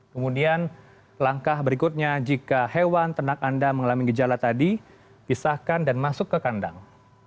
kemudian langkah berikutnya jika hewan ternak anda mengalami gejala tadi pisahkan dan masuk ke kandang